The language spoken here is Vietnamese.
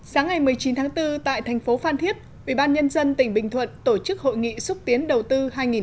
sáng ngày một mươi chín tháng bốn tại thành phố phan thiết ubnd tỉnh bình thuận tổ chức hội nghị xúc tiến đầu tư hai nghìn một mươi chín